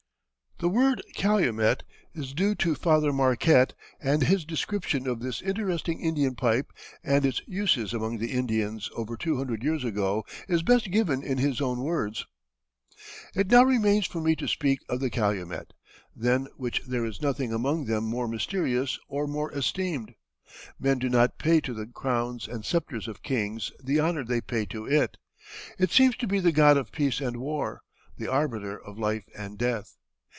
The word calumet is due to Father Marquette, and his description of this interesting Indian pipe and its uses among the Indians over two hundred years ago is best given in his own words: "It now remains for me to speak of the calumet, than which there is nothing among them more mysterious or more esteemed. Men do not pay to the crowns and sceptres of kings the honor they pay to it. It seems to be the god of peace and war, the arbiter of life and death.